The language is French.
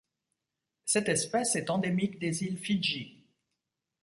Cette espèce est endémique des îles Fidji.